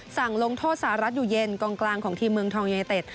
สั่งลงโทษสหรัฐอยู่เย็นกองกลางของทีมเมืองทองยูไนเต็ด